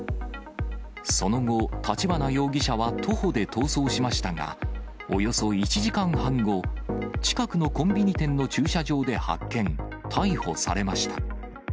その後、立花容疑者は徒歩で逃走しましたが、およそ１時間半後、近くのコンビニ店の駐車場で発見、逮捕されました。